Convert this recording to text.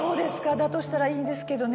だとしたらいいんですけどね。